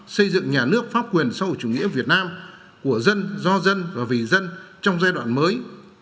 xây dựng nhà nước pháp quyền sau chủ nghĩa việt nam của dân do dân và vì dân trong giai đoạn mới